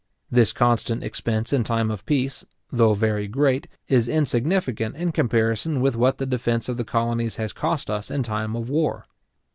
This constant expense in time of peace, though very great, is insignificant in comparison with what the defence of the colonies has cost us in time of war.